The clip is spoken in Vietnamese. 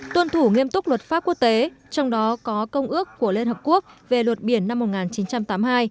tuân thủ nghiêm túc luật pháp quốc tế trong đó có công ước của liên hợp quốc về luật biển năm một nghìn chín trăm tám mươi hai